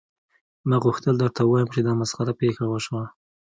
ما غوښتل درته ووایم چې دا مسخره پیښه وشوه